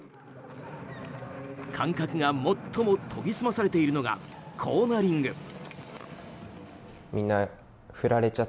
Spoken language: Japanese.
感覚が最も研ぎ澄まされているのがコーナリング。